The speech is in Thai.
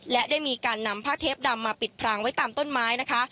และได้มีการนำผ้าเทปดำมาปิดพรางไว้ตามต้นไม้นะคะ